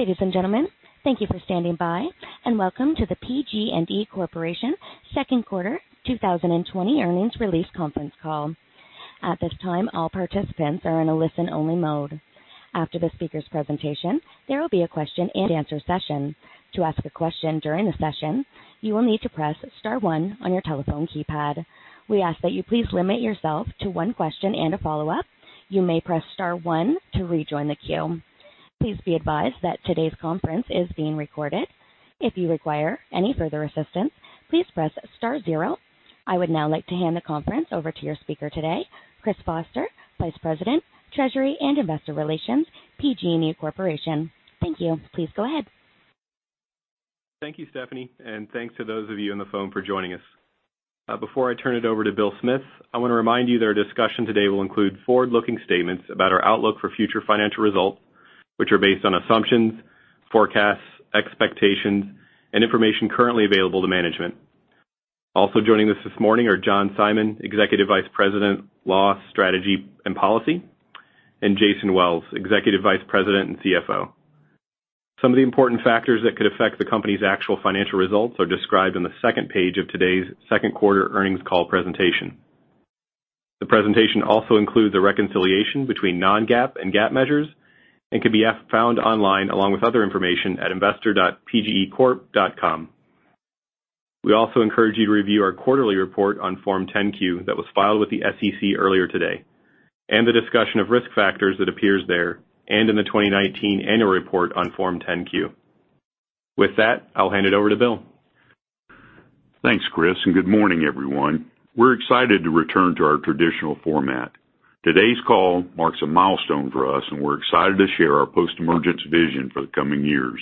Ladies and gentlemen, thank you for standing by, and welcome to the PG&E Corporation second quarter 2020 earnings release conference call. At this time, all participants are in a listen-only mode. After the speaker's presentation, there will be a Q&A session. To ask a question during the session, you will need to press star one on your telephone keypad. We ask that you please limit yourself to one question and a follow-up. You may press star one to rejoin the queue. Please be advised that today's conference is being recorded. If you require any further assistance, please press star zero. I would now like to hand the conference over to your speaker today, Chris Foster, Vice President, Treasury and Investor Relations, PG&E Corporation. Thank you. Please go ahead. Thank you, Stephanie, and thanks to those of you on the phone for joining us. Before I turn it over to Bill Smith, I want to remind you that our discussion today will include forward-looking statements about our outlook for future financial results, which are based on assumptions, forecasts, expectations, and information currently available to management. Also joining us this morning are John Simon, Executive Vice President, Law, Strategy, and Policy, and Jason Wells, Executive Vice President and CFO. Some of the important factors that could affect the company's actual financial results are described in the second page of today's second quarter earnings call presentation. The presentation also includes a reconciliation between non-GAAP and GAAP measures and can be found online along with other information at investor.pgecorp.com. We also encourage you to review our quarterly report on Form 10-Q that was filed with the SEC earlier today, and the discussion of risk factors that appears there, and in the 2019 annual report on Form 10-Q. With that, I'll hand it over to Bill. Thanks, Chris. Good morning, everyone. We're excited to return to our traditional format. Today's call marks a milestone for us. We're excited to share our post-emergence vision for the coming years.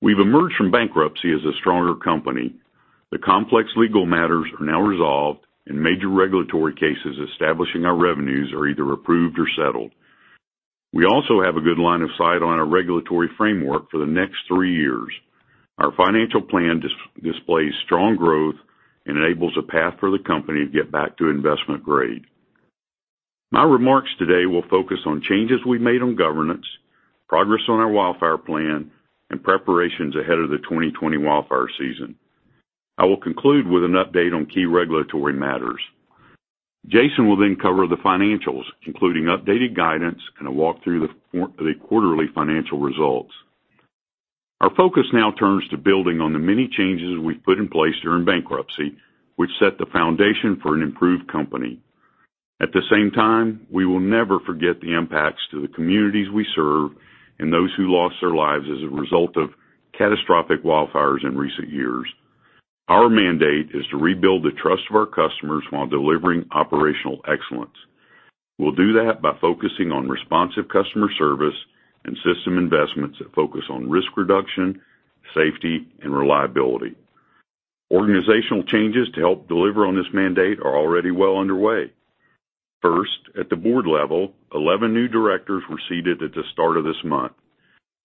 We've emerged from bankruptcy as a stronger company. The complex legal matters are now resolved. Major regulatory cases establishing our revenues are either approved or settled. We also have a good line of sight on our regulatory framework for the next three years. Our financial plan displays strong growth and enables a path for the company to get back to investment grade. My remarks today will focus on changes we made on governance, progress on our wildfire plan. Preparations ahead of the 2020 wildfire season. I will conclude with an update on key regulatory matters. Jason will then cover the financials, including updated guidance, a walk-through the quarterly financial results. Our focus now turns to building on the many changes we've put in place during bankruptcy, which set the foundation for an improved company. At the same time, we will never forget the impacts to the communities we serve and those who lost their lives as a result of catastrophic wildfires in recent years. Our mandate is to rebuild the trust of our customers while delivering operational excellence. We'll do that by focusing on responsive customer service and system investments that focus on risk reduction, safety, and reliability. Organizational changes to help deliver on this mandate are already well underway. First, at the board level, 11 new directors were seated at the start of this month.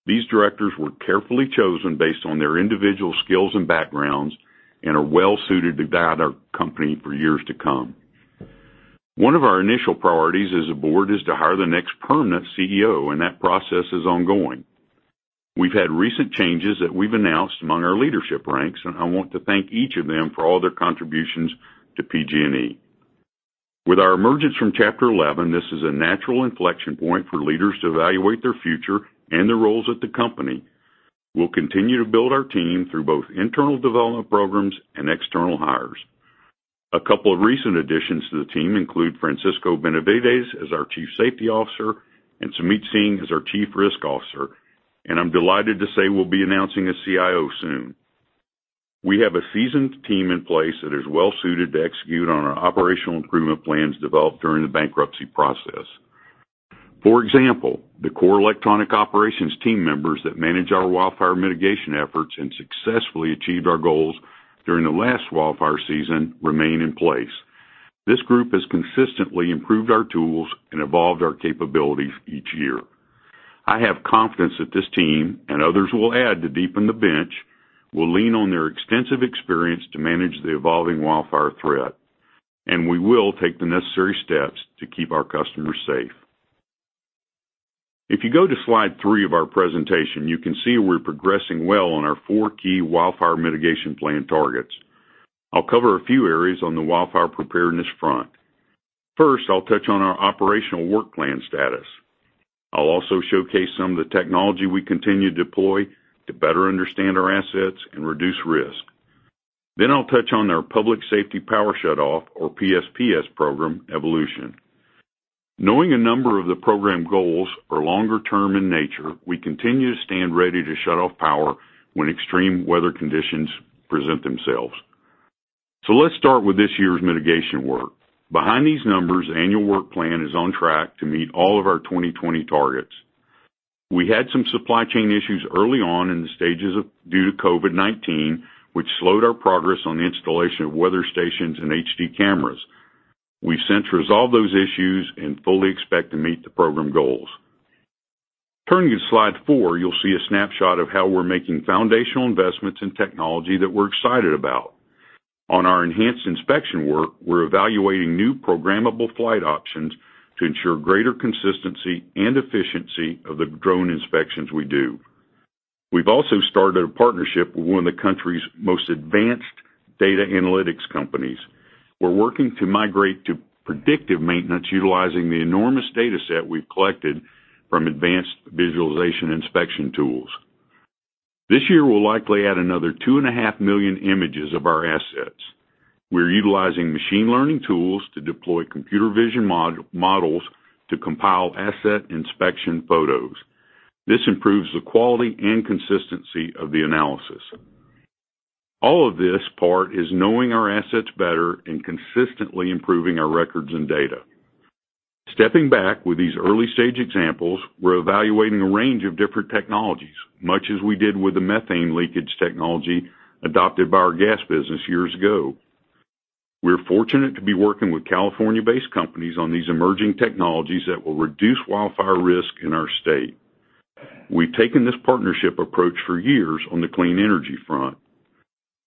These directors were carefully chosen based on their individual skills and backgrounds and are well suited to guide our company for years to come. One of our initial priorities as a board is to hire the next permanent CEO. That process is ongoing. We've had recent changes that we've announced among our leadership ranks. I want to thank each of them for all their contributions to PG&E. With our emergence from Chapter 11, this is a natural inflection point for leaders to evaluate their future and their roles at the company. We'll continue to build our team through both internal development programs and external hires. A couple of recent additions to the team include Francisco Benavides as our Chief Safety Officer and Sumeet Singh as our Chief Risk Officer. I'm delighted to say we'll be announcing a CIO soon. We have a seasoned team in place that is well-suited to execute on our operational improvement plans developed during the bankruptcy process. For example, the core electronic operations team members that manage our wildfire mitigation efforts and successfully achieved our goals during the last wildfire season remain in place. This group has consistently improved our tools and evolved our capabilities each year. I have confidence that this team, and others we'll add to deepen the bench, will lean on their extensive experience to manage the evolving wildfire threat, and we will take the necessary steps to keep our customers safe. If you go to slide three of our presentation, you can see we're progressing well on our four key wildfire mitigation plan targets. I'll cover a few areas on the wildfire preparedness front. First, I'll touch on our operational work plan status. I'll also showcase some of the technology we continue to deploy to better understand our assets and reduce risk. I'll touch on our Public Safety Power Shutoff or PSPS program evolution. Knowing a number of the program goals are longer term in nature, we continue to stand ready to shut off power when extreme weather conditions present themselves. Let's start with this year's mitigation work. Behind these numbers, the annual work plan is on track to meet all of our 2020 targets. We had some supply chain issues early on due to COVID-19, which slowed our progress on the installation of weather stations and HD cameras. We've since resolved those issues and fully expect to meet the program goals. Turning to slide four, you'll see a snapshot of how we're making foundational investments in technology that we're excited about. On our enhanced inspection work, we're evaluating new programmable flight options to ensure greater consistency and efficiency of the drone inspections we do. We've also started a partnership with one of the country's most advanced data analytics companies. We're working to migrate to predictive maintenance utilizing the enormous data set we've collected from advanced visualization inspection tools. This year, we'll likely add another 2.5 million images of our assets. We're utilizing machine learning tools to deploy computer vision models to compile asset inspection photos. This improves the quality and consistency of the analysis. All of this part is knowing our assets better and consistently improving our records and data. Stepping back with these early-stage examples, we're evaluating a range of different technologies, much as we did with the methane leakage technology adopted by our gas business years ago. We're fortunate to be working with California-based companies on these emerging technologies that will reduce wildfire risk in our state. We've taken this partnership approach for years on the clean energy front.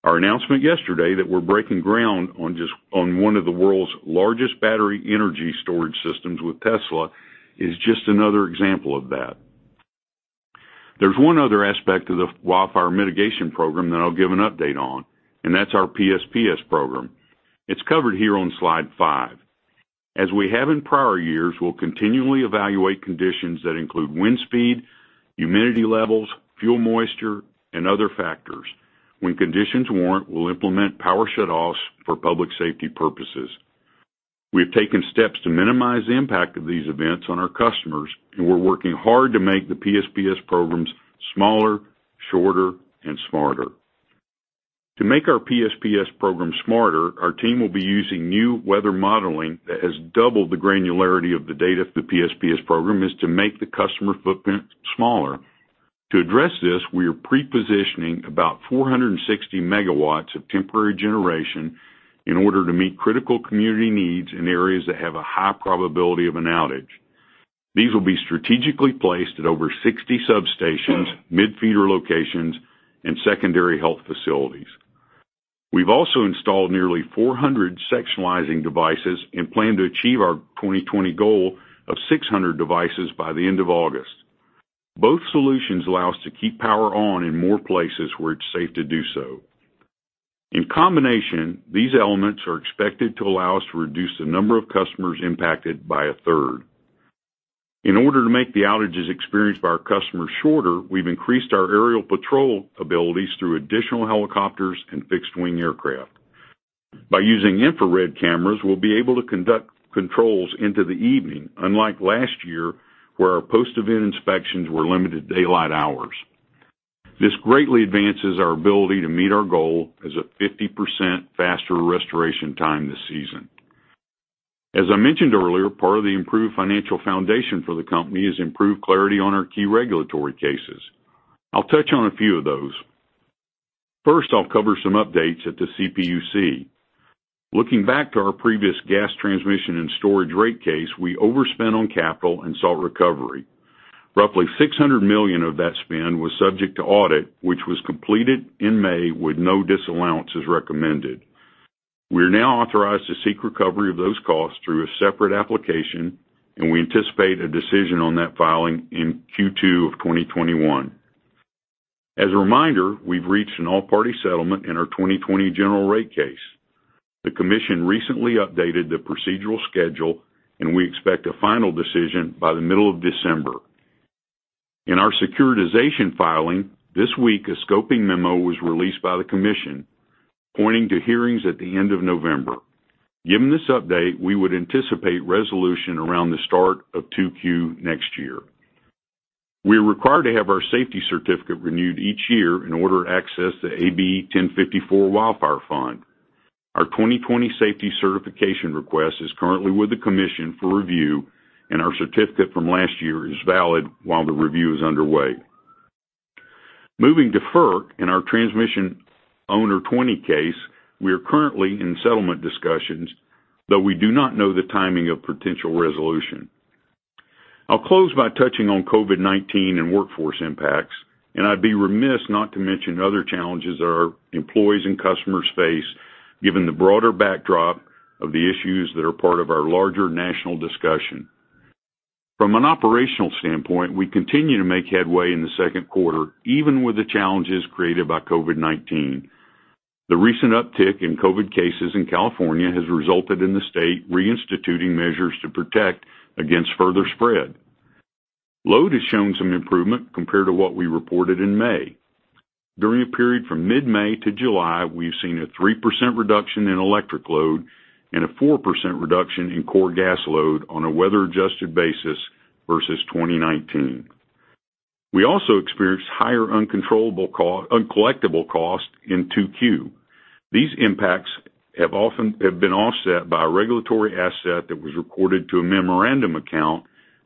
Our announcement yesterday that we're breaking ground on one of the world's largest battery energy storage systems with Tesla is just another example of that. There's one other aspect of the wildfire mitigation program that I'll give an update on, that's our PSPS program. It's covered here on slide five. As we have in prior years, we'll continually evaluate conditions that include wind speed, humidity levels, fuel moisture, and other factors. When conditions warrant, we'll implement power shutoffs for public safety purposes. We have taken steps to minimize the impact of these events on our customers, we're working hard to make the PSPS programs smaller, shorter, and smarter. To make our PSPS program smarter, our team will be using new weather modeling that has doubled the granularity of the data of the PSPS program is to make the customer footprint smaller. To address this, we are pre-positioning about 460 MW of temporary generation in order to meet critical community needs in areas that have a high probability of an outage. These will be strategically placed at over 60 substations, mid-feeder locations, and secondary health facilities. We've also installed nearly 400 sectionalizing devices and plan to achieve our 2020 goal of 600 devices by the end of August. Both solutions allow us to keep power on in more places where it's safe to do so. In combination, these elements are expected to allow us to reduce the number of customers impacted by a third. In order to make the outages experienced by our customers shorter, we've increased our aerial patrol abilities through additional helicopters and fixed-wing aircraft. By using infrared cameras, we'll be able to conduct controls into the evening, unlike last year, where our post-event inspections were limited to daylight hours. This greatly advances our ability to meet our goal as a 50% faster restoration time this season. As I mentioned earlier, part of the improved financial foundation for the company is improved clarity on our key regulatory cases. I'll touch on a few of those. First, I'll cover some updates at the CPUC. Looking back to our previous Gas Transmission and Storage rate case, we overspent on capital and sought recovery. Roughly $600 million of that spend was subject to audit, which was completed in May with no disallowances recommended. We are now authorized to seek recovery of those costs through a separate application, and we anticipate a decision on that filing in Q2 of 2021. As a reminder, we've reached an all-party settlement in our 2020 general rate case. The commission recently updated the procedural schedule, and we expect a final decision by the middle of December. In our securitization filing, this week, a scoping memo was released by the commission, pointing to hearings at the end of November. Given this update, we would anticipate resolution around the start of 2Q next year. We are required to have our safety certificate renewed each year in order to access the AB 1054 Wildfire Fund. Our 2020 safety certification request is currently with the commission for review, and our certificate from last year is valid while the review is underway. Moving to FERC in our Transmission Owner 20 case, we are currently in settlement discussions, though we do not know the timing of potential resolution. I'll close by touching on COVID-19 and workforce impacts. I'd be remiss not to mention other challenges our employees and customers face given the broader backdrop of the issues that are part of our larger national discussion. From an operational standpoint, we continue to make headway in the second quarter, even with the challenges created by COVID-19. The recent uptick in COVID cases in California has resulted in the state reinstituting measures to protect against further spread. Load has shown some improvement compared to what we reported in May. During a period from mid-May to July, we've seen a 3% reduction in electric load and a 4% reduction in core gas load on a weather-adjusted basis versus 2019. We also experienced higher uncollectible costs in 2Q. These impacts have often been offset by a regulatory asset that was recorded to a memorandum account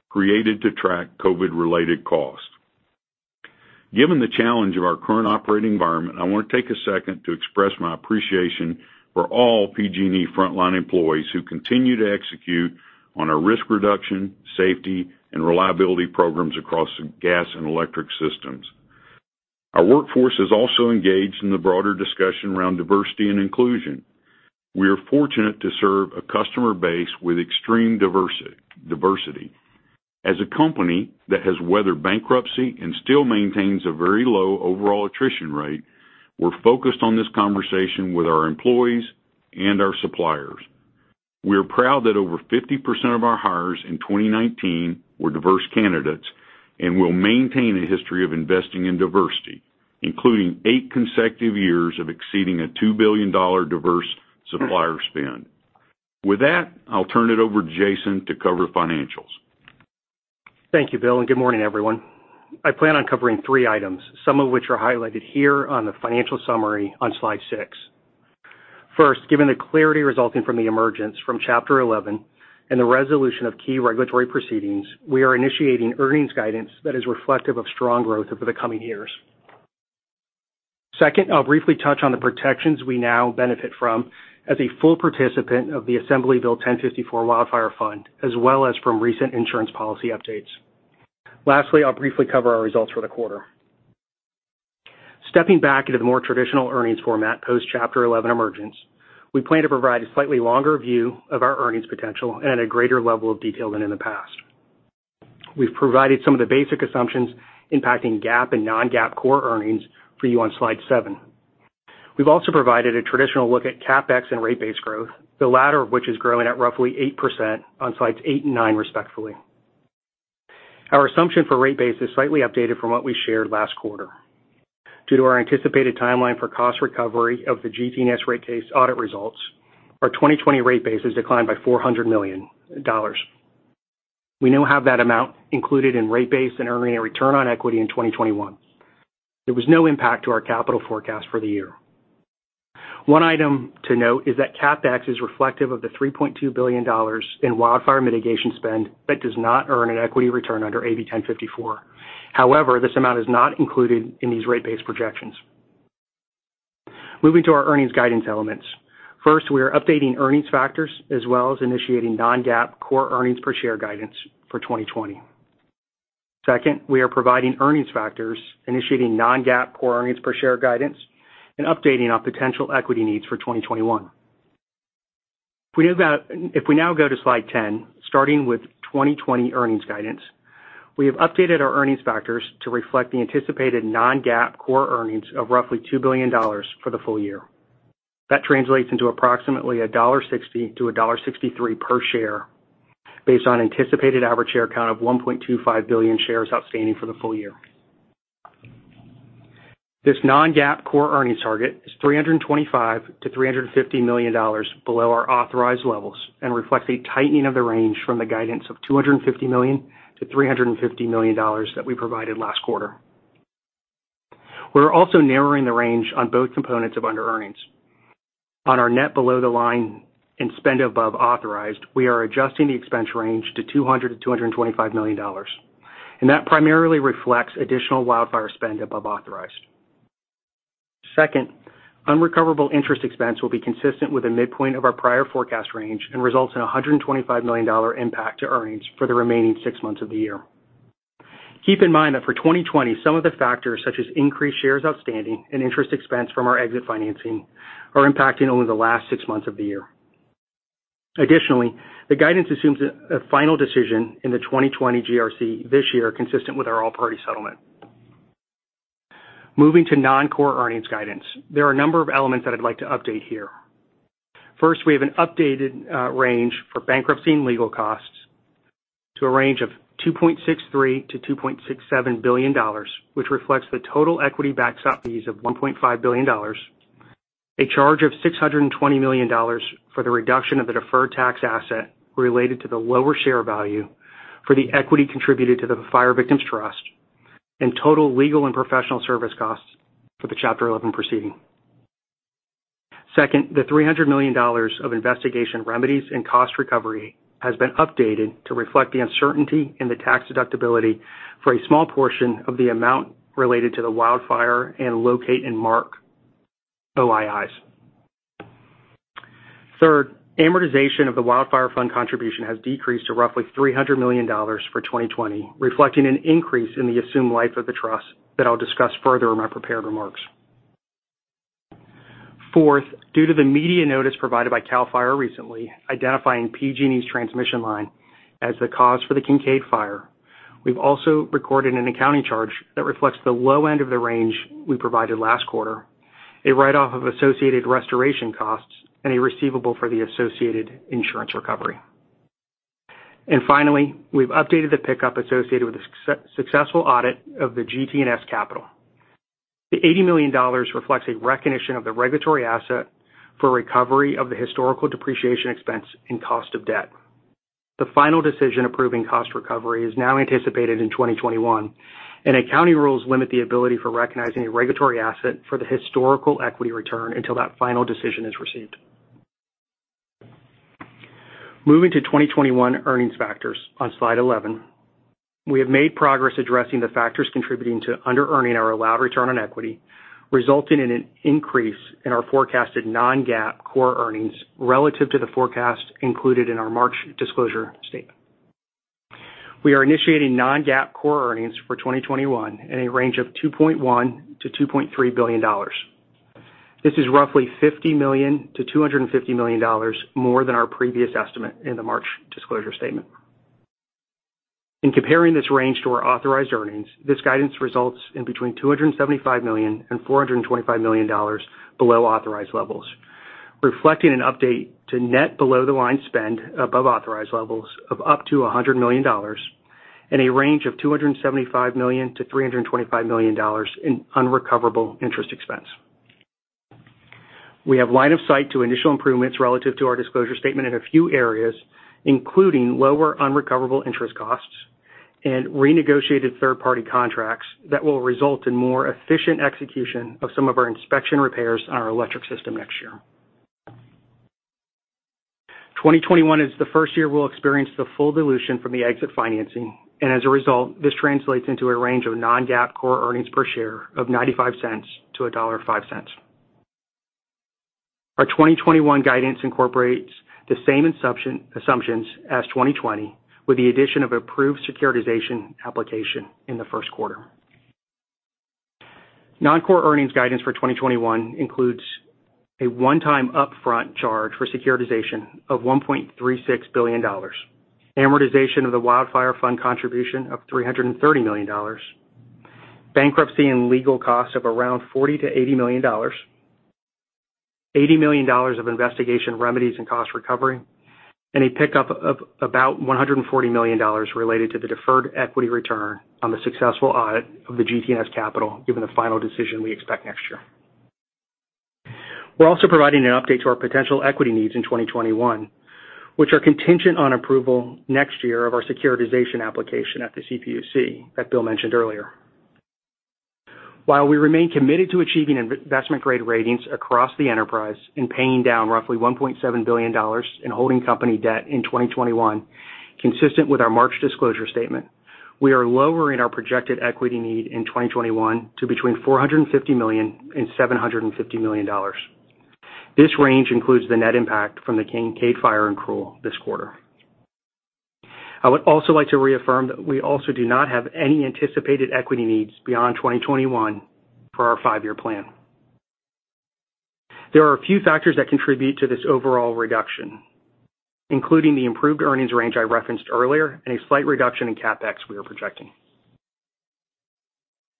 created to track COVID-related costs. Given the challenge of our current operating environment, I want to take a second to express my appreciation for all PG&E frontline employees who continue to execute on our risk reduction, safety, and reliability programs across gas and electric systems. Our workforce is also engaged in the broader discussion around diversity and inclusion. We are fortunate to serve a customer base with extreme diversity. As a company that has weathered bankruptcy and still maintains a very low overall attrition rate, we're focused on this conversation with our employees and our suppliers. We are proud that over 50% of our hires in 2019 were diverse candidates and will maintain a history of investing in diversity, including eight consecutive years of exceeding a $2 billion diverse supplier spend. With that, I'll turn it over to Jason to cover financials. Thank you, Bill, and good morning, everyone. I plan on covering three items, some of which are highlighted here on the financial summary on slide six. First, given the clarity resulting from the emergence from Chapter 11 and the resolution of key regulatory proceedings, we are initiating earnings guidance that is reflective of strong growth over the coming years. Second, I'll briefly touch on the protections we now benefit from as a full participant of the Assembly Bill 1054 Wildfire Fund, as well as from recent insurance policy updates. Lastly, I'll briefly cover our results for the quarter. Stepping back into the more traditional earnings format post Chapter 11 emergence, we plan to provide a slightly longer view of our earnings potential and at a greater level of detail than in the past. We've provided some of the basic assumptions impacting GAAP and non-GAAP core earnings for you on slide seven. We've also provided a traditional look at CapEx and rate base growth, the latter of which is growing at roughly 8% on slides eight and nine respectively. Our assumption for rate base is slightly updated from what we shared last quarter. Due to our anticipated timeline for cost recovery of the GT&S rate case audit results, our 2020 rate base has declined by $400 million. We now have that amount included in rate base and earning a return on equity in 2021. There was no impact to our capital forecast for the year. One item to note is that CapEx is reflective of the $3.2 billion in wildfire mitigation spend that does not earn an equity return under AB 1054. However, this amount is not included in these rate base projections. Moving to our earnings guidance elements. First, we are updating earnings factors as well as initiating non-GAAP core earnings per share guidance for 2020. Second, we are providing earnings factors initiating non-GAAP core earnings per share guidance and updating our potential equity needs for 2021. We know that If we now go to slide 10, starting with 2020 earnings guidance, we have updated our earnings factors to reflect the anticipated non-GAAP core earnings of roughly $2 billion for the full year. That translates into approximately $1.60 per share-$1.63 per share based on anticipated average share count of 1.25 billion shares outstanding for the full year. This non-GAAP core earnings target is $325 million-$350 million below our authorized levels and reflects a tightening of the range from the guidance of $250 million-$350 million that we provided last quarter. We're also narrowing the range on both components of underearnings. On our net below the line and spend above authorized, we are adjusting the expense range to $200 million-$225 million, and that primarily reflects additional wildfire spend above authorized. Second, unrecoverable interest expense will be consistent with the midpoint of our prior forecast range and results in a $125 million impact to earnings for the remaining six months of the year. Keep in mind that for 2020, some of the factors such as increased shares outstanding and interest expense from our exit financing are impacting only the last six months of the year. The guidance assumes a final decision in the 2020 GRC this year, consistent with our all-party settlement. Moving to non-core earnings guidance. There are a number of elements that I'd like to update here. First, we have an updated range for bankruptcy and legal costs to a range of $2.63 billion-$2.67 billion, which reflects the total equity backstop fees of $1.5 billion, a charge of $620 million for the reduction of the deferred tax asset related to the lower share value for the equity contributed to the Fire Victim Trust, and total legal and professional service costs for the Chapter 11 proceeding. Second, the $300 million of investigation remedies and cost recovery has been updated to reflect the uncertainty in the tax deductibility for a small portion of the amount related to the wildfire and locate and mark OIIs. Amortization of the Wildfire Fund contribution has decreased to roughly $300 million for 2020, reflecting an increase in the assumed life of the trust that I'll discuss further in my prepared remarks. Due to the media notice provided by CAL FIRE recently identifying PG&E's transmission line as the cause for the Kincade Fire, we've also recorded an accounting charge that reflects the low end of the range we provided last quarter, a write off of associated restoration costs, and a receivable for the associated insurance recovery. Finally, we've updated the pickup associated with the successful audit of the GT&S capital. The $80 million reflects a recognition of the regulatory asset for recovery of the historical depreciation expense and cost of debt. The final decision approving cost recovery is now anticipated in 2021. Accounting rules limit the ability for recognizing a regulatory asset for the historical equity return until that final decision is received. Moving to 2021 earnings factors on slide 11. We have made progress addressing the factors contributing to underearning our allowed return on equity, resulting in an increase in our forecasted non-GAAP core earnings relative to the forecast included in our March disclosure statement. We are initiating non-GAAP core earnings for 2021 in a range of $2.1 billion-$2.3 billion. This is roughly $50 million-$250 million more than our previous estimate in the March disclosure statement. In comparing this range to our authorized earnings, this guidance results in between $275 million and $425 million below authorized levels, reflecting an update to net below-the-line spend above authorized levels of up to $100 million and a range of $275 million-$325 million in unrecoverable interest expense. We have line of sight to initial improvements relative to our disclosure statement in a few areas, including lower unrecoverable interest costs and renegotiated third-party contracts that will result in more efficient execution of some of our inspection repairs on our electric system next year. 2021 is the first year we'll experience the full dilution from the exit financing, and as a result, this translates into a range of non-GAAP core earnings per share of $0.95-$1.05. Our 2021 guidance incorporates the same assumptions as 2020, with the addition of approved securitization application in the first quarter. Non-core earnings guidance for 2021 includes a one-time upfront charge for securitization of $1.36 billion, amortization of the Wildfire Fund contribution of $330 million, bankruptcy and legal costs of around $40 million-$80 million, $80 million of investigation remedies and cost recovery, and a pickup of about $140 million related to the deferred equity return on the successful audit of the GT&S capital, given the final decision we expect next year. We're also providing an update to our potential equity needs in 2021, which are contingent on approval next year of our securitization application at the CPUC that Bill mentioned earlier. While we remain committed to achieving investment-grade ratings across the enterprise and paying down roughly $1.7 billion in holding company debt in 2021, consistent with our March disclosure statement, we are lowering our projected equity need in 2021 to between $450 million and $750 million. This range includes the net impact from the Kincade Fire [accrual] this quarter. I would also like to reaffirm that we also do not have any anticipated equity needs beyond 2021 for our five-year plan. There are a few factors that contribute to this overall reduction, including the improved earnings range I referenced earlier and a slight reduction in CapEx we are projecting.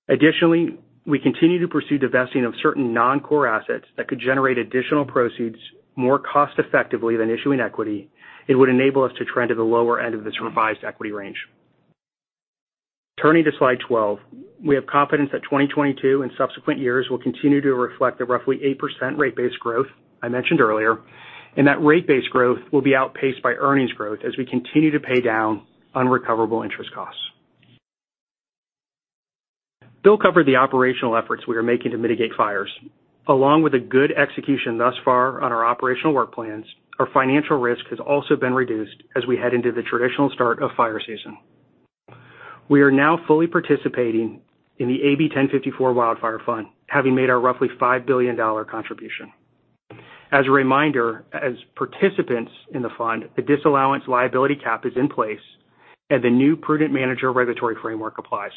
Additionally, we continue to pursue divesting of certain non-core assets that could generate additional proceeds more cost-effectively than issuing equity. It would enable us to trend to the lower end of this revised equity range. Turning to slide 12, we have confidence that 2022 and subsequent years will continue to reflect the roughly 8% rate base growth I mentioned earlier, and that rate base growth will be outpaced by earnings growth as we continue to pay down unrecoverable interest costs. Bill covered the operational efforts we are making to mitigate fires. Along with the good execution thus far on our operational work plans, our financial risk has also been reduced as we head into the traditional start of fire season. We are now fully participating in the AB 1054 Wildfire Fund, having made our roughly $5 billion contribution. As a reminder, as participants in the fund, the disallowance liability cap is in place and the new prudent manager regulatory framework applies.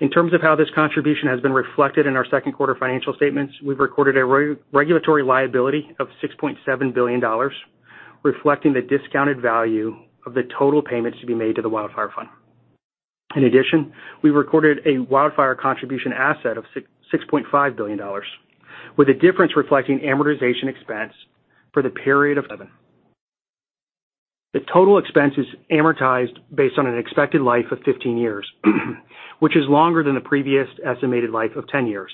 In terms of how this contribution has been reflected in our second quarter financial statements, we've recorded a regulatory liability of $6.7 billion, reflecting the discounted value of the total payments to be made to the Wildfire Fund. In addition, we recorded a wildfire contribution asset of $6.5 billion, with the difference reflecting amortization expense for the period of $7 million. The total expense is amortized based on an expected life of 15 years, which is longer than the previous estimated life of 10 years.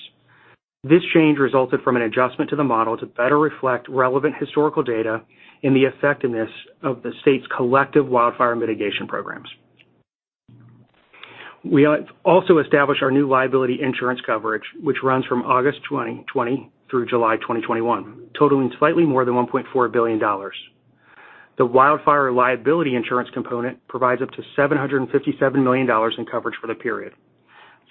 This change resulted from an adjustment to the model to better reflect relevant historical data in the effectiveness of the state's collective wildfire mitigation programs. We also established our new liability insurance coverage, which runs from August 2020 through July 2021, totaling slightly more than $1.4 billion. The wildfire liability insurance component provides up to $757 million in coverage for the period.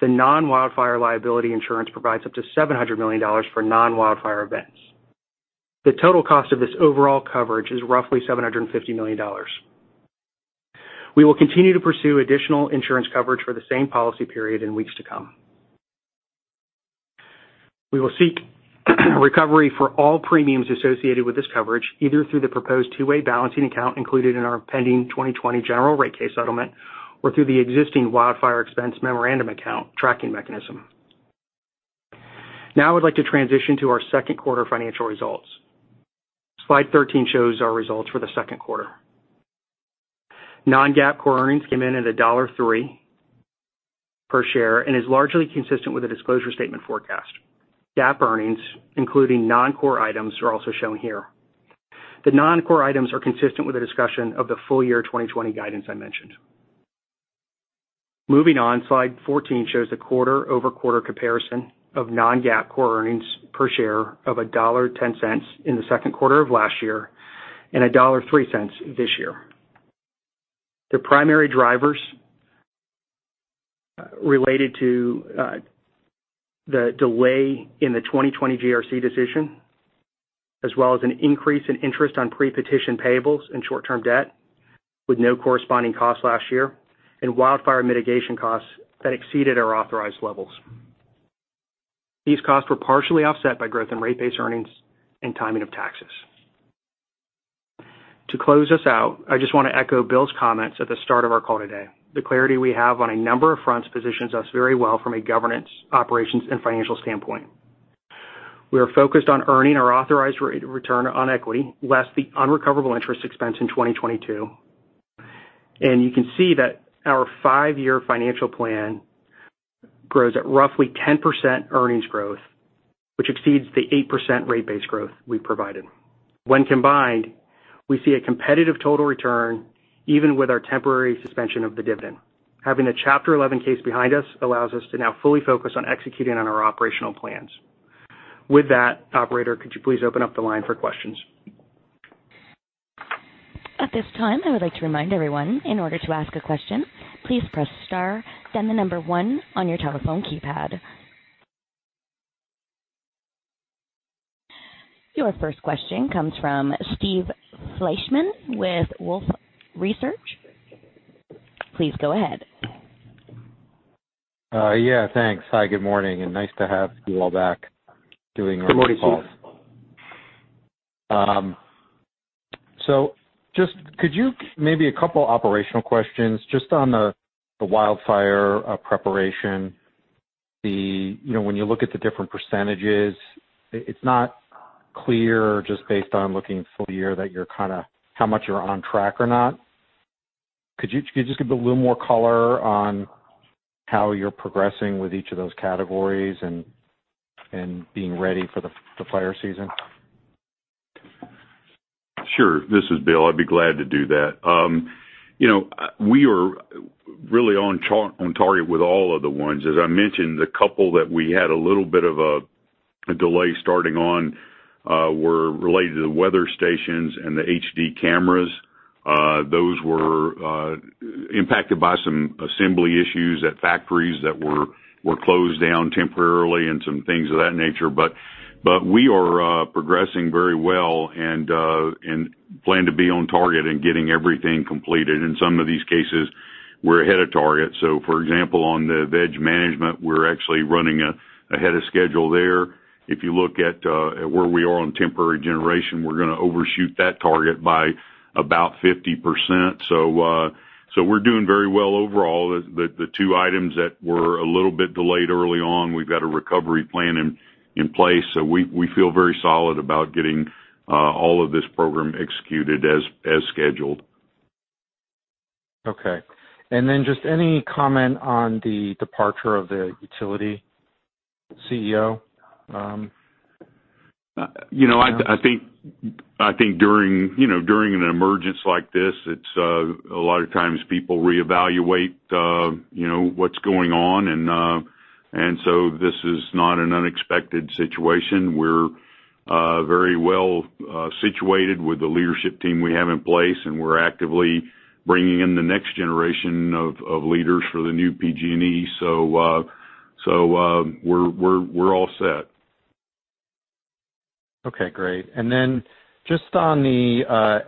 The non-wildfire liability insurance provides up to $700 million for non-wildfire events. The total cost of this overall coverage is roughly $750 million. We will continue to pursue additional insurance coverage for the same policy period in weeks to come. We will seek recovery for all premiums associated with this coverage, either through the proposed two-way balancing account included in our pending 2020 general rate case settlement or through the existing wildfire expense memorandum account tracking mechanism. Now I would like to transition to our second quarter financial results. Slide 13 shows our results for the second quarter. Non-GAAP core earnings came in at $1.03 per share and is largely consistent with the disclosure statement forecast. GAAP earnings, including non-core items, are also shown here. The non-core items are consistent with the discussion of the full year 2020 guidance I mentioned. Moving on, slide 14 shows a quarter-over-quarter comparison of non-GAAP core earnings per share of $1.10 in the second quarter of last year and $1.03 this year. The primary drivers related to the delay in the 2020 GRC decision, as well as an increase in interest on pre-petition payables and short-term debt with no corresponding cost last year and wildfire mitigation costs that exceeded our authorized levels. These costs were partially offset by growth in rate base earnings and timing of taxes. To close us out, I just want to echo Bill's comments at the start of our call today. The clarity we have on a number of fronts positions us very well from a governance, operations, and financial standpoint. We are focused on earning our authorized rate of return on equity, less the unrecoverable interest expense in 2022. You can see that our five-year financial plan grows at roughly 10% earnings growth, which exceeds the 8% rate base growth we provided. When combined, we see a competitive total return even with our temporary suspension of the dividend. Having a Chapter 11 case behind us allows us to now fully focus on executing on our operational plans. With that, operator, could you please open up the line for questions? At this time, I would like to remind everyone, in order to ask a question, please press star, then one on your telephone keypad. Your first question comes from Steve Fleishman with Wolfe Research. Please go ahead. Yeah, thanks. Hi, good morning, and nice to have you all back doing earnings calls. Good morning, Steve. Just could you Maybe a couple operational questions just on the wildfire preparation. You know, when you look at the different percentages, it's not clear just based on looking full year that you're kinda, how much you're on track or not. Could you just give a little more color on how you're progressing with each of those categories and being ready for the fire season? Sure. This is Bill. I'd be glad to do that. You know, we are really on target with all of the ones. As I mentioned, the couple that we had a little bit of a delay starting on were related to the weather stations and the HD cameras. Those were impacted by some assembly issues at factories that were closed down temporarily and some things of that nature. We are progressing very well and plan to be on target in getting everything completed. In some of these cases, we're ahead of target. For example, on the veg management, we're actually running ahead of schedule there. If you look at where we are on temporary generation, we're gonna overshoot that target by about 50%. We're doing very well overall. The two items that were a little bit delayed early on, we've got a recovery plan in place. We feel very solid about getting all of this program executed as scheduled. Okay. Just any comment on the departure of the utility CEO? You know, I think during, you know, during an emergence like this, it's a lot of times people reevaluate, you know, what's going on. This is not an unexpected situation. We're very well situated with the leadership team we have in place, and we're actively bringing in the next generation of leaders for the new PG&E. We're all set. Okay, great. Then just on the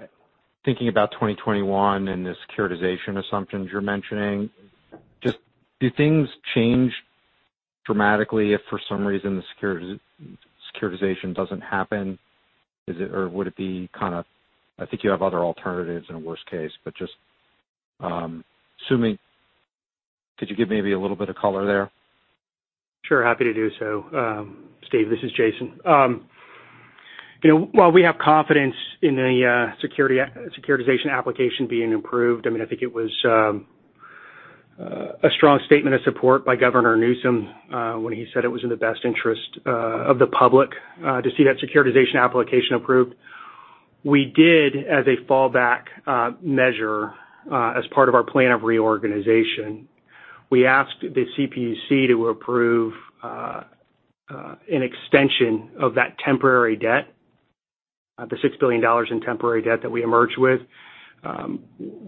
thinking about 2021 and the securitization assumptions you're mentioning, just do things change dramatically if for some reason the securitization doesn't happen? Is it or would it be kind of, I think you have other alternatives in a worst case, but just assuming could you give maybe a little bit of color there? Sure, happy to do so. Steve, this is Jason. You know, while we have confidence in the securitization application being approved, I mean, I think it was a strong statement of support by Governor Newsom when he said it was in the best interest of the public to see that securitization application approved. We did as a fallback measure as part of our plan of reorganization. We asked the CPUC to approve an extension of that temporary debt, the $6 billion in temporary debt that we emerged with.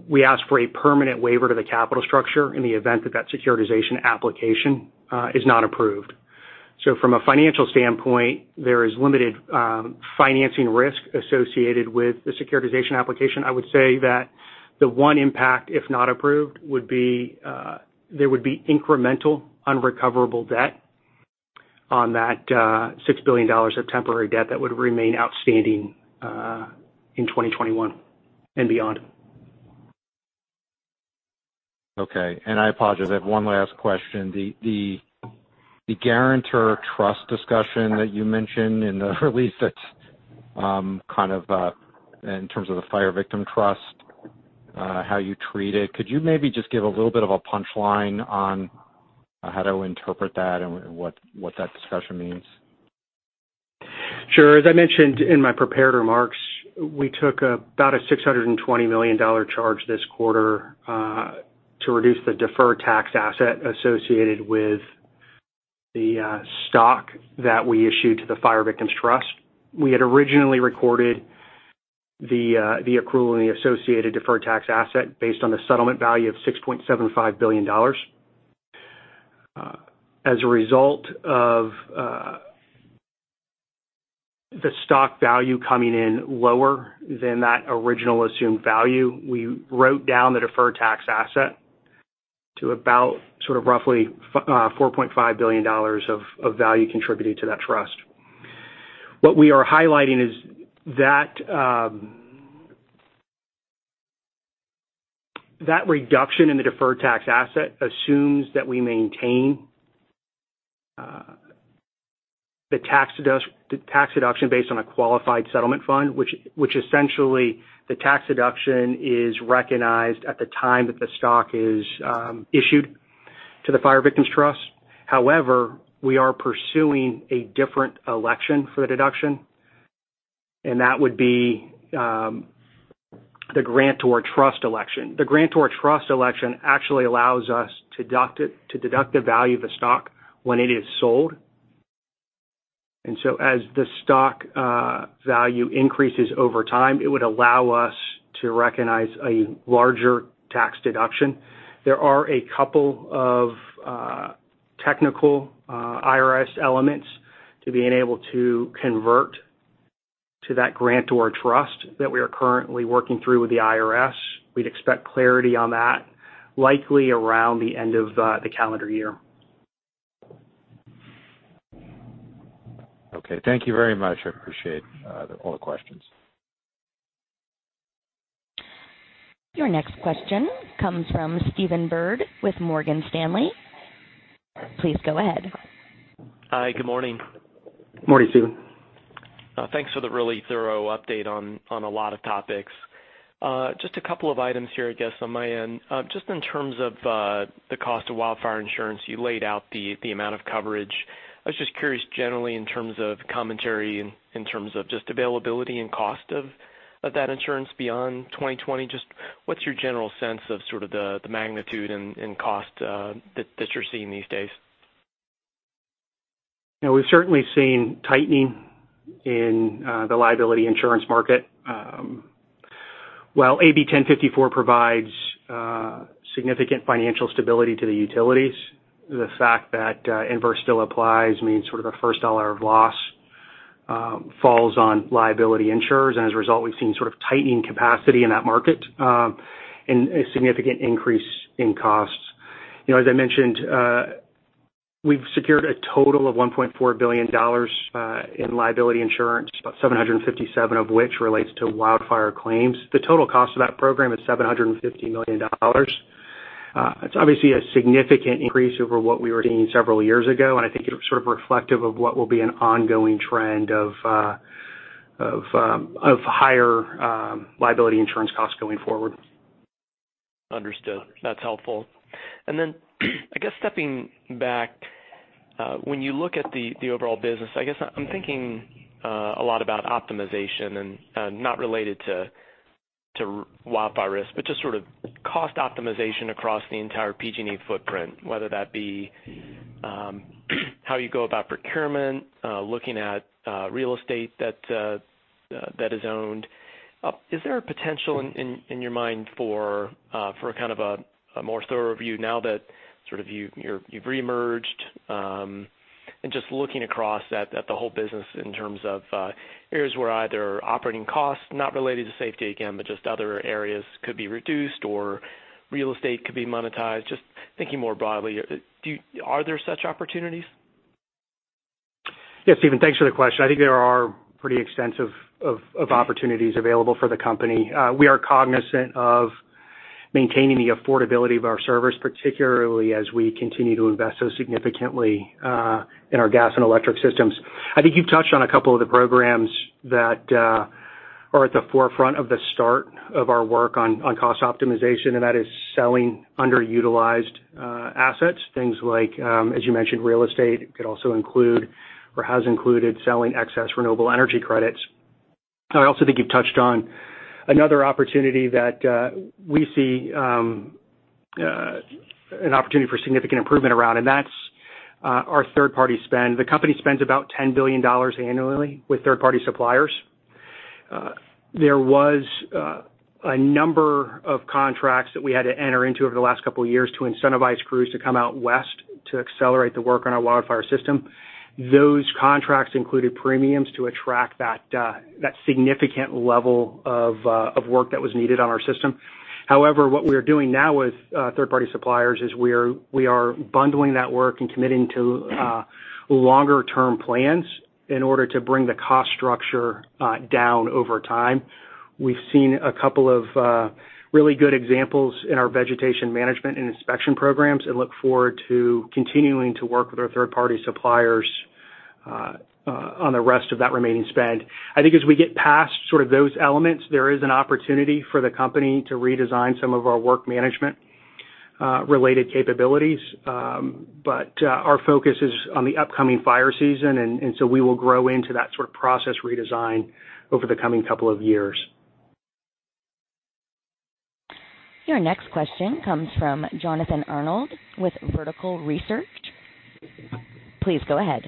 We asked for a permanent waiver to the capital structure in the event that that securitization application is not approved. From a financial standpoint, there is limited financing risk associated with the securitization application. I would say that the one impact, if not approved, would be, there would be incremental unrecoverable debt on that, $6 billion of temporary debt that would remain outstanding, in 2021 and beyond. Okay. I apologize, I have one last question. The grantor trust discussion that you mentioned in the release that, kind of, in terms of the Fire Victim Trust, how you treat it. Could you maybe just give a little bit of a punchline on how to interpret that and what that discussion means? Sure. As I mentioned in my prepared remarks, we took about a $620 million charge this quarter to reduce the deferred tax asset associated with the stock that we issued to the Fire Victim Trust. We had originally recorded the accrual and the associated deferred tax asset based on the settlement value of $6.75 billion. As a result of the stock value coming in lower than that original assumed value, we wrote down the deferred tax asset to about sort of roughly $4.5 billion of value contributed to that trust. What we are highlighting is that reduction in the deferred tax asset assumes that we maintain the tax deduction based on a qualified settlement fund, which essentially the tax deduction is recognized at the time that the stock is issued to the Fire Victim Trust. We are pursuing a different election for the deduction, and that would be the grantor trust election. The grantor trust election actually allows us to deduct the value of the stock when it is sold. As the stock value increases over time, it would allow us to recognize a larger tax deduction. There are a couple of technical IRS elements to being able to convert to that grantor trust that we are currently working through with the IRS. We'd expect clarity on that likely around the end of the calendar year. Okay. Thank you very much. I appreciate all the questions. Your next question comes from Stephen Byrd with Morgan Stanley. Please go ahead. Hi. Good morning. Morning, Stephen. Thanks for the really thorough update on a lot of topics. Just a couple of items here, I guess, on my end. Just in terms of the cost of wildfire insurance, you laid out the amount of coverage. I was just curious generally in terms of commentary in terms of just availability and cost of that insurance beyond 2020. Just what's your general sense of sort of the magnitude and cost that you're seeing these days? You know, we've certainly seen tightening in the liability insurance market. While AB 1054 provides significant financial stability to the utilities, the fact that inverse still applies means sort of the first dollar of loss falls on liability insurers. As a result, we've seen sort of tightening capacity in that market and a significant increase in costs. You know, as I mentioned, we've secured a total of $1.4 billion in liability insurance, about $757 million of which relates to wildfire claims. The total cost of that program is $750 million. It's obviously a significant increase over what we were seeing several years ago, and I think it was sort of reflective of what will be an ongoing trend of higher liability insurance costs going forward. Understood. That's helpful. I guess stepping back, when you look at the overall business, I guess I'm thinking a lot about optimization and not related to wildfire risk, but just sort of cost optimization across the entire PG&E footprint, whether that be how you go about procurement, looking at real estate that is owned. Is there a potential in your mind for kind of a more thorough review now that sort of you've reemerged, and just looking across at the whole business in terms of areas where either operating costs, not related to safety again, but just other areas could be reduced or real estate could be monetized. Thinking more broadly, Are there such opportunities? Stephen, thanks for the question. I think there are pretty extensive of opportunities available for the company. We are cognizant of maintaining the affordability of our service, particularly as we continue to invest so significantly in our gas and electric systems. I think you've touched on a couple of the programs that are at the forefront of the start of our work on cost optimization, and that is selling underutilized assets. Things like, as you mentioned, real estate. It could also include or has included selling excess renewable energy credits. I also think you've touched on another opportunity that we see an opportunity for significant improvement around, and that's our third-party spend. The company spends about $10 billion annually with third-party suppliers. There was a number of contracts that we had to enter into over the last couple of years to incentivize crews to come out west to accelerate the work on our wildfire system. Those contracts included premiums to attract that significant level of work that was needed on our system. However, what we are doing now with third-party suppliers is we are bundling that work and committing to longer-term plans in order to bring the cost structure down over time. We've seen a couple of really good examples in our vegetation management and inspection programs and look forward to continuing to work with our third-party suppliers on the rest of that remaining spend. I think as we get past sort of those elements, there is an opportunity for the company to redesign some of our work management related capabilities. Our focus is on the upcoming fire season, and so we will grow into that sort of process redesign over the coming couple of years. Your next question comes from Jonathan Arnold with Vertical Research. Please go ahead.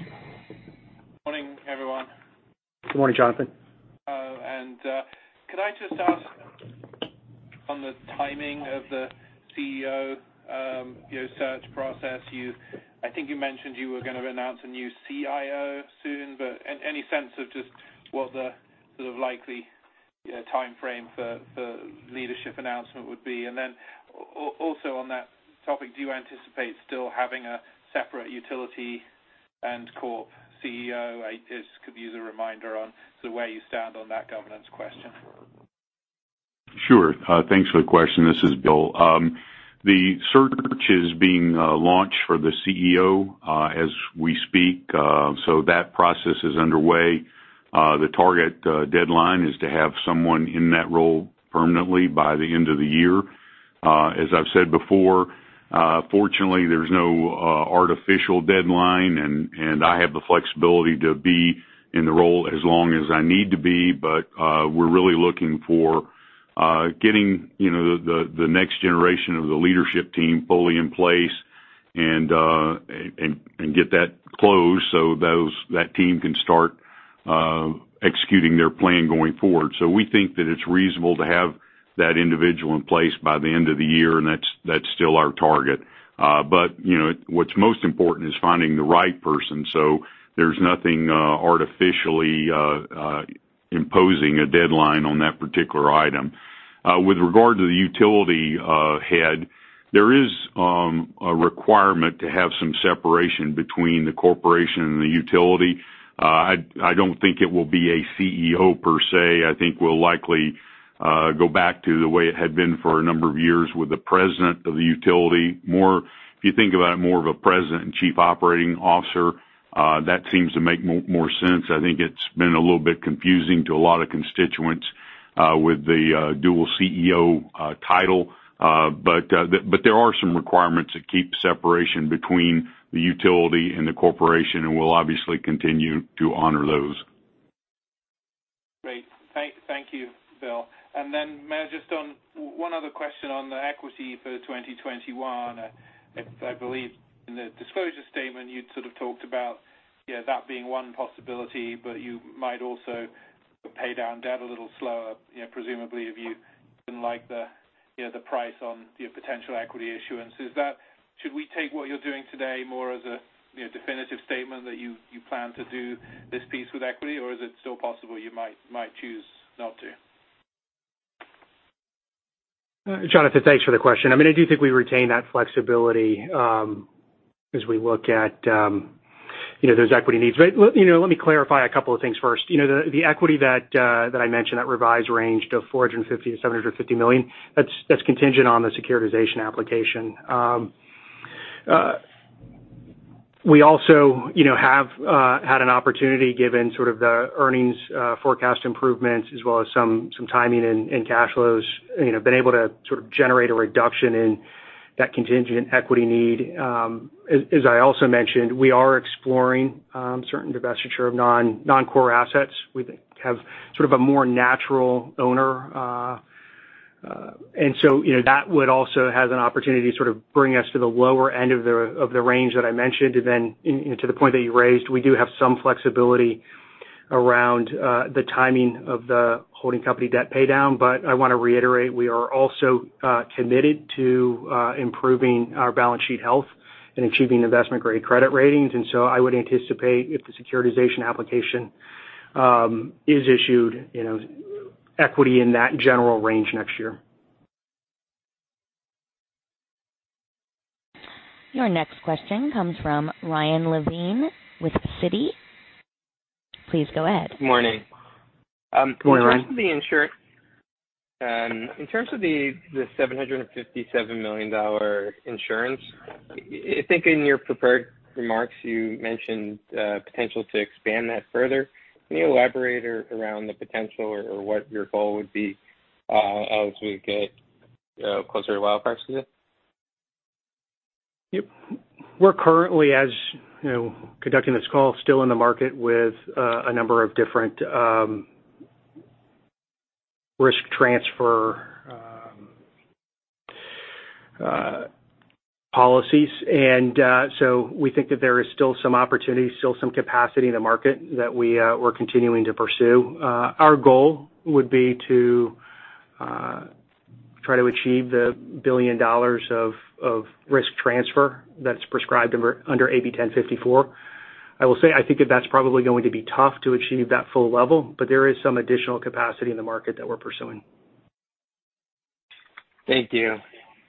Morning, everyone. Good morning, Jonathan. Could I just ask on the timing of the CEO, you know, search process? I think you mentioned you were gonna announce a new CIO soon, but any sense of just what the sort of likely, you know, timeframe for leadership announcement would be? Also on that topic, do you anticipate still having a separate utility and Corp CEO? I just could use a reminder on sort of where you stand on that governance question. Sure. Thanks for the question. This is Bill. The search is being launched for the CEO as we speak. That process is underway. The target deadline is to have someone in that role permanently by the end of the year. As I've said before, fortunately, there's no artificial deadline and I have the flexibility to be in the role as long as I need to be, but we're really looking for getting, you know, the next generation of the leadership team fully in place and get that closed so that team can start executing their plan going forward. We think that it's reasonable to have that individual in place by the end of the year, and that's still our target. You know, what's most important is finding the right person. There's nothing artificially imposing a deadline on that particular item. With regard to the utility head, there is a requirement to have some separation between the corporation and the utility. I don't think it will be a CEO per se. I think we'll likely go back to the way it had been for a number of years with the president of the utility more. If you think about it more of a president and Chief Operating Officer, that seems to make more sense. I think it's been a little bit confusing to a lot of constituents with the dual CEO title. There are some requirements that keep separation between the utility and the corporation, and we'll obviously continue to honor those. Great. Thank you, Bill. May I just one other question on the equity for 2021. I believe in the disclosure statement, you'd sort of talked about, you know, that being one possibility, but you might also pay down debt a little slower, you know, presumably if you didn't like the, you know, the price on your potential equity issuance. Should we take what you're doing today more as a, you know, definitive statement that you plan to do this piece with equity, or is it still possible you might choose not to? Jonathan, thanks for the question. I mean, I do think we retain that flexibility, as we look at, you know, those equity needs. Let me clarify a couple of things first. You know, the equity that I mentioned, that revised range to $450 million-$750 million, that's contingent on the securitization application. We also, you know, have had an opportunity given sort of the earnings forecast improvements as well as some timing and cash flows, you know, been able to sort of generate a reduction in that contingent equity need. As I also mentioned, we are exploring certain divestiture of non-core assets we think have sort of a more natural owner. You know, that would also have an opportunity to sort of bring us to the lower end of the range that I mentioned. You know, to the point that you raised, we do have some flexibility around the timing of the holding company debt pay down. I wanna reiterate, we are also committed to improving our balance sheet health and achieving investment-grade credit ratings. I would anticipate if the securitization application is issued, you know, equity in that general range next year. Your next question comes from Ryan Levine with Citi. Please go ahead. Morning. Good morning, Ryan. In terms of the $757 million insurance, I think in your prepared remarks you mentioned potential to expand that further. Can you elaborate around the potential or what your goal would be as we get closer to wildfire season? Yep. We're currently, as, you know, conducting this call, still in the market with a number of different risk transfer policies. We think that there is still some opportunity, still some capacity in the market that we're continuing to pursue. Our goal would be to try to achieve the $1 billion of risk transfer that's prescribed under AB 1054. I will say, I think that that's probably going to be tough to achieve that full level, but there is some additional capacity in the market that we're pursuing. Thank you.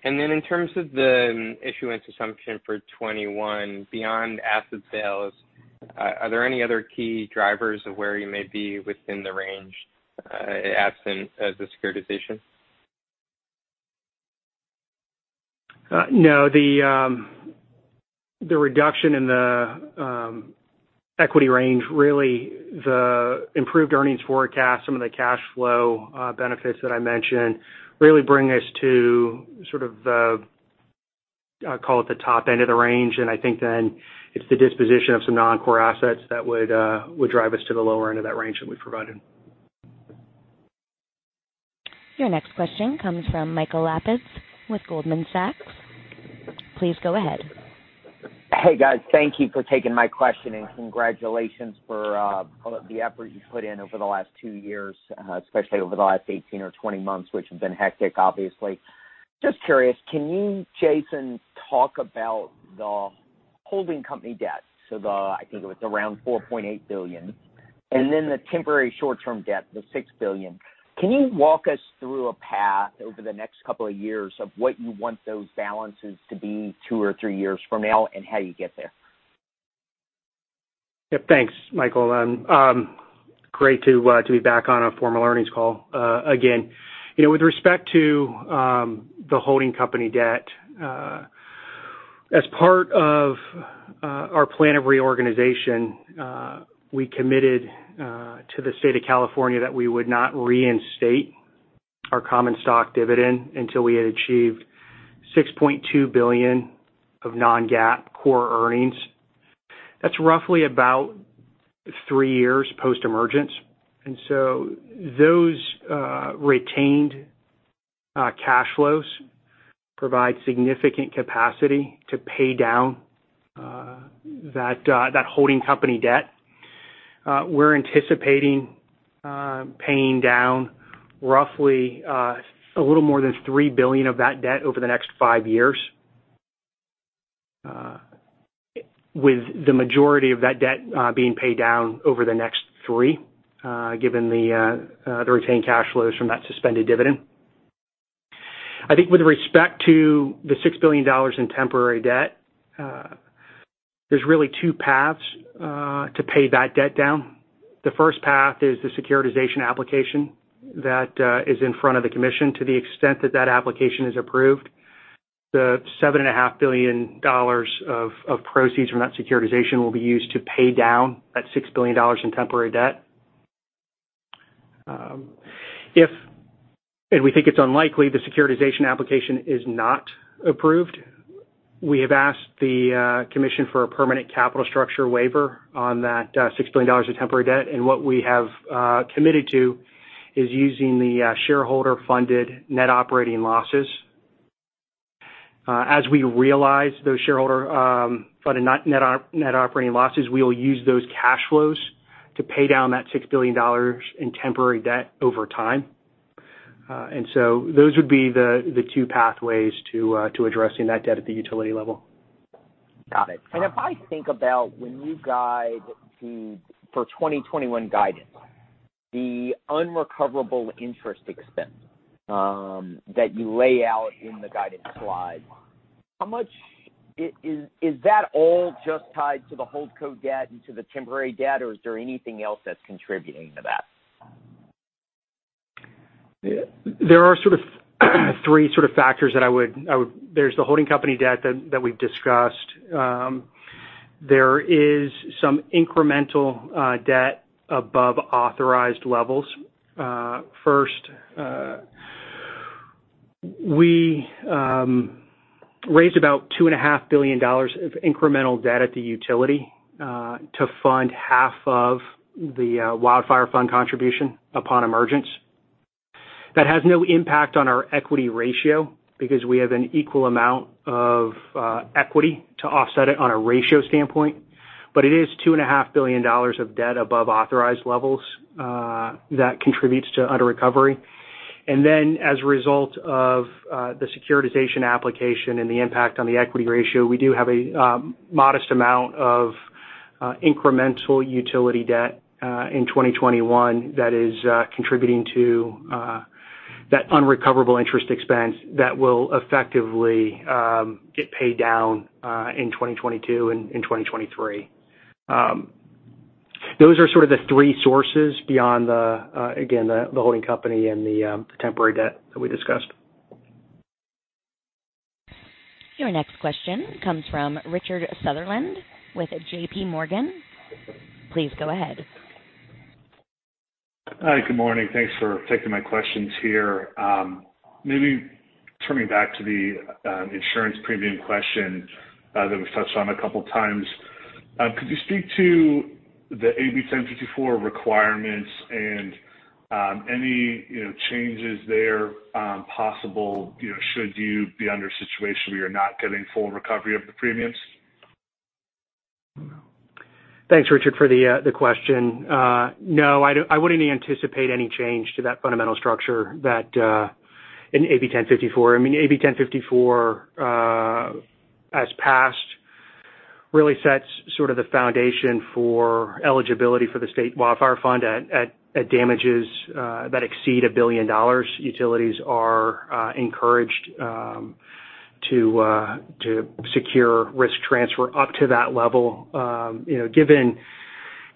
Then in terms of the issuance assumption for 21 beyond asset sales, are there any other key drivers of where you may be within the range, absent as a securitization? No. The reduction in the equity range, really the improved earnings forecast, some of the cash flow benefits that I mentioned really bring us to sort of the I call it the top end of the range, I think then it's the disposition of some non-core assets that would drive us to the lower end of that range that we provided. Your next question comes from Michael Lapides with Goldman Sachs. Please go ahead. Hey, guys. Thank you for taking my question, and congratulations for, call it the effort you put in over the last two years, especially over the last 18 or 20 months, which have been hectic, obviously. Just curious, can you, Jason, talk about the holding company debt? I think it was around $4.8 billion. The temporary short-term debt, the $6 billion. Can you walk us through a path over the next couple of years of what you want those balances to be 2 or 3 years from now and how you get there? Yeah, thanks, Michael. Great to be back on a formal earnings call again. You know, with respect to the holding company debt, as part of our plan of reorganization, we committed to the state of California that we would not reinstate our common stock dividend until we had achieved $6.2 billion of non-GAAP core earnings. That's roughly about three years post-emergence. So those retained cash flows provide significant capacity to pay down that holding company debt. We're anticipating paying down roughly a little more than $3 billion of that debt over the next five years, with the majority of that debt being paid down over the next three years, given the retained cash flows from that suspended dividend. I think with respect to the $6 billion in temporary debt, there's really two paths to pay that debt down. The first path is the securitization application that is in front of the Commission. To the extent that that application is approved, the $7.5 billion of proceeds from that securitization will be used to pay down that $6 billion in temporary debt. If, and we think it's unlikely the securitization application is not approved, we have asked the Commission for a permanent capital structure waiver on that $6 billion of temporary debt. What we have committed to is using the shareholder-funded net operating losses. As we realize those shareholder funded net operating losses, we will use those cash flows to pay down that $6 billion in temporary debt over time. Those would be the two pathways to addressing that debt at the utility level. Got it. If I think about when you guide for 2021 guidance, the unrecoverable interest expense that you lay out in the guidance slide, how much is that all just tied to the HoldCo debt and to the temporary debt, or is there anything else that's contributing to that? There are three factors. There's the holding company debt that we've discussed. There is some incremental debt above authorized levels. First, we raised about $2.5 billion of incremental debt at the utility to fund half of the Wildfire Fund contribution upon emergence. That has no impact on our equity ratio because we have an equal amount of equity to offset it on a ratio standpoint. It is $2.5 billion of debt above authorized levels that contributes to underrecovery. As a result of the securitization application and the impact on the equity ratio, we do have a modest amount of incremental utility debt in 2021 that is contributing to that unrecoverable interest expense that will effectively get paid down in 2022 and 2023. Those are sort of the three sources beyond the again, the holding company and the temporary debt that we discussed. Your next question comes from Richard Sunderland with JPMorgan. Please go ahead. Hi. Good morning. Thanks for taking my questions here. Maybe turning back to the insurance premium question that we've touched on a couple times, could you speak to the AB 1054 requirements and any, you know, changes there, possible, you know, should you be under a situation where you're not getting full recovery of the premiums? Thanks, Richard, for the question. No, I wouldn't anticipate any change to that fundamental structure in AB 1054. I mean, AB 1054, as passed really sets sort of the foundation for eligibility for the Wildfire Fund at damages that exceed $1 billion. Utilities are encouraged to secure risk transfer up to that level. You know, given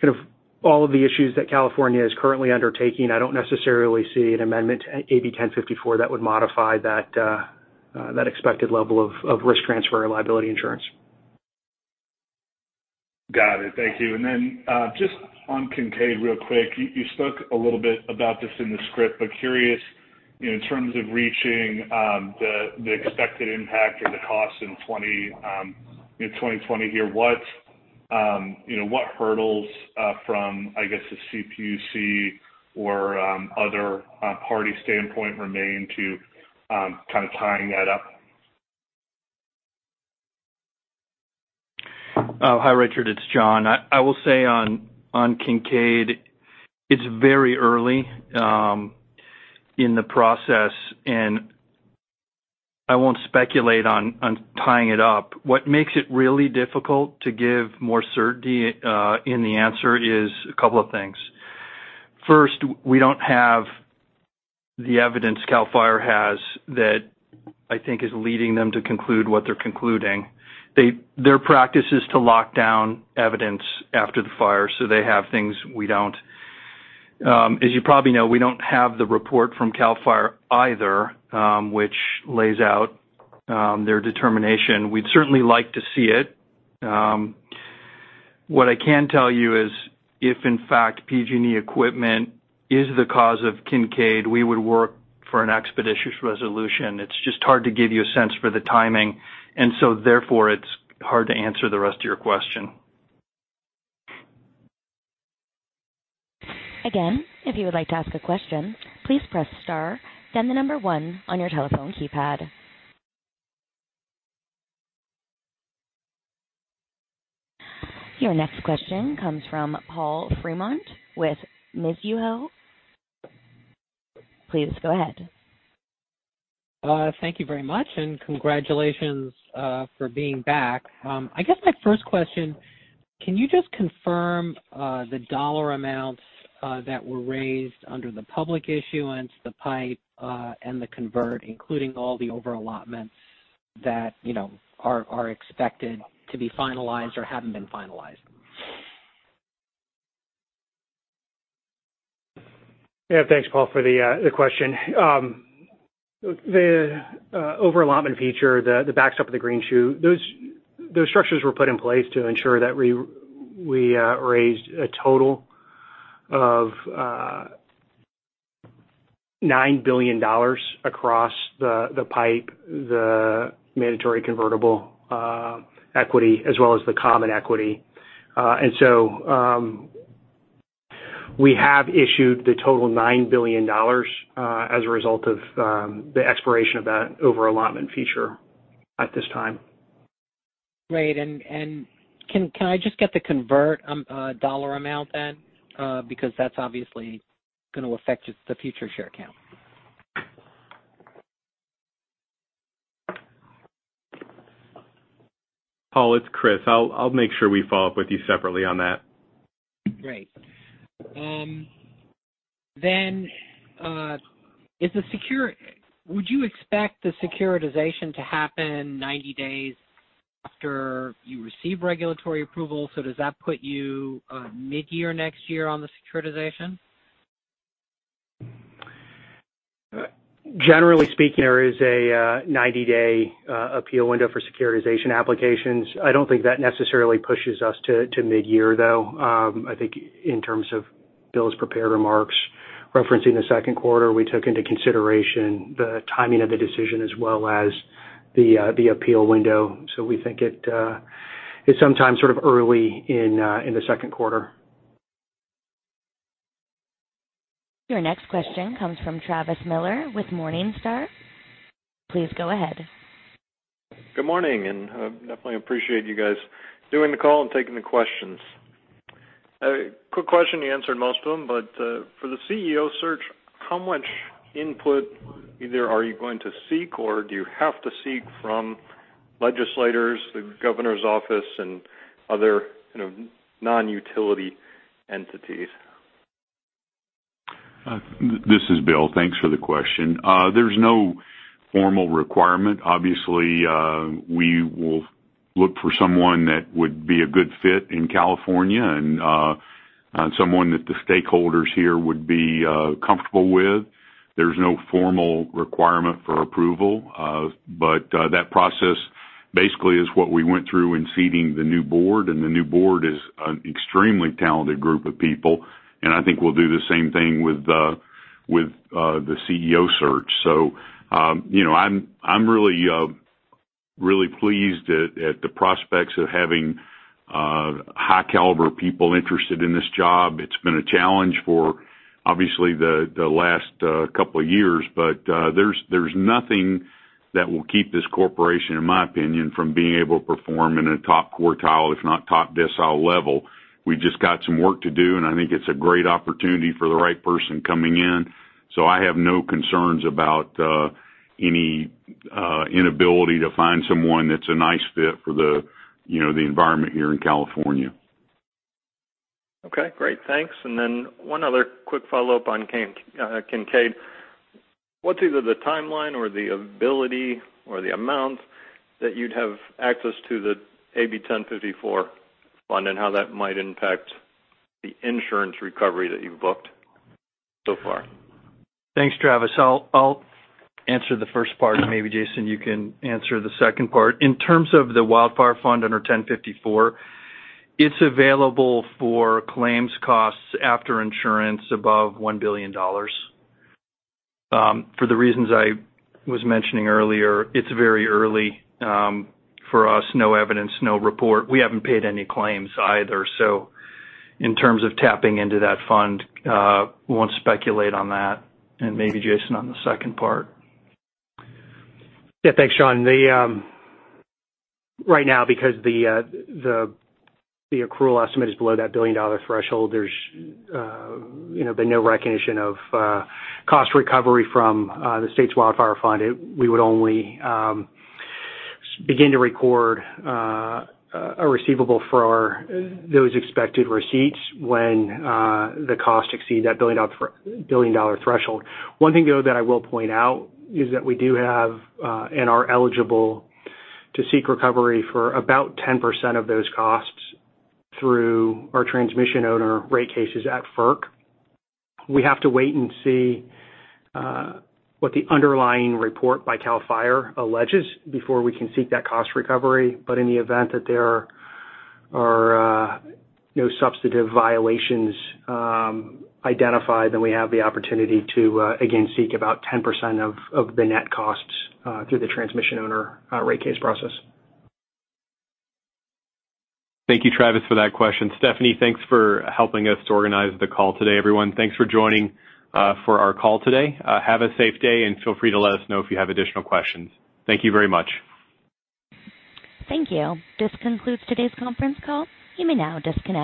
kind of all of the issues that California is currently undertaking, I don't necessarily see an amendment to AB 1054 that would modify that expected level of risk transfer or liability insurance. Got it. Thank you. Just on Kincade real quick. You spoke a little bit about this in the script, but curious, you know, in terms of reaching the expected impact and the cost in 2020 here, what, you know, what hurdles, from, I guess, the CPUC or, other, party standpoint remain to, kind of tying that up? Hi, Richard, it's John. I will say on Kincade, it's very early in the process. I won't speculate on tying it up. What makes it really difficult to give more certainty in the answer is couple things. First, we don't have the evidence CAL FIRE has that I think is leading them to conclude what they're concluding. Their practice is to lock down evidence after the fire. They have things we don't. As you probably know, we don't have the report from CAL FIRE either, which lays out their determination. We'd certainly like to see it. What I can tell you is if, in fact, PG&E equipment is the cause of Kincade, we would work for an expeditious resolution. It's just hard to give you a sense for the timing, and so therefore it's hard to answer the rest of your question. Again if you would like to ask a question, please press star and one on your telephone keypad. Your next question comes from Paul Fremont with Mizuho. Please go ahead. Thank you very much, and congratulations for being back. I guess my first question, can you just confirm the dollar amounts that were raised under the public issuance, the PIPE, and the convert, including all the over-allotments that, you know, are expected to be finalized or haven't been finalized? Yeah. Thanks, Paul, for the question. The over-allotment feature, the backstop of the greenshoe, those structures were put in place to ensure that we raised a total of $9 billion across the PIPE, the mandatory convertible equity, as well as the common equity. We have issued the total $9 billion as a result of the expiration of that over-allotment feature at this time. Great. Can I just get the convert dollar amount then? Because that's obviously gonna affect the future share count. Paul, it's Chris. I'll make sure we follow up with you separately on that. Great. Would you expect the securitization to happen 90 days after you receive regulatory approval? Does that put you mid-year next year on the securitization? Generally speaking, there is a 90-day appeal window for securitization applications. I don't think that necessarily pushes us to mid-year though. I think in terms of Bill's prepared remarks referencing the second quarter, we took into consideration the timing of the decision as well as the appeal window. We think it's sometime sort of early in the second quarter. Your next question comes from Travis Miller with Morningstar. Please go ahead. Good morning, and definitely appreciate you guys doing the call and taking the questions. A quick question, you answered most of them, but for the CEO search, how much input either are you going to seek or do you have to seek from legislators, the Governor's office, and other, you know, non-utility entities? This is Bill. Thanks for the question. There's no formal requirement. Obviously, we will look for someone that would be a good fit in California and someone that the stakeholders here would be comfortable with. There's no formal requirement for approval, but that process basically is what we went through in seating the new board, and the new board is an extremely talented group of people, and I think we'll do the same thing with the CEO search. You know, I'm really pleased at the prospects of having high caliber people interested in this job. It's been a challenge for obviously the last couple years. There's nothing that will keep this Corporation, in my opinion, from being able to perform in a top quartile, if not top decile level. We've just got some work to do. I think it's a great opportunity for the right person coming in. I have no concerns about any inability to find someone that's a nice fit for the, you know, the environment here in California. Okay. Great. Thanks. One other quick follow-up on Kincade. What's either the timeline or the ability or the amount that you'd have access to the AB 1054 Fund and how that might impact the insurance recovery that you've booked? Thanks, Travis. I'll answer the first part and maybe Jason, you can answer the second part. In terms of the Wildfire Fund under 1054, it's available for claims costs after insurance above $1 billion. For the reasons I was mentioning earlier, it's very early for us. No evidence, no report. We haven't paid any claims either. In terms of tapping into that fund, won't speculate on that. Maybe Jason on the second part. Yeah. Thanks, John. The right now because the accrual estimate is below that billion-dollar threshold, there's, you know, been no recognition of cost recovery from the state's Wildfire Fund. We would only begin to record a receivable for those expected receipts when the costs exceed that billion-dollar threshold. One thing, though, that I will point out is that we do have and are eligible to seek recovery for about 10% of those costs through our transmission owner rate cases at FERC. We have to wait and see what the underlying report by CAL FIRE alleges before we can seek that cost recovery. In the event that there are no substantive violations identified, then we have the opportunity to again seek about 10% of the net costs through the transmission owner rate case process. Thank you, Travis, for that question. Stephanie, thanks for helping us organize the call today, everyone. Thanks for joining for our call today. Have a safe day and feel free to let us know if you have additional questions. Thank you very much. Thank you. This concludes today's conference call. You may now disconnect.